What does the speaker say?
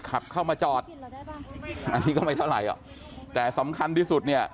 ขับเข้ามาจอดอันนี้ก็ไม่เท่าไหร่แต่สำคัญที่สุดเนี่ย